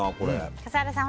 笠原さん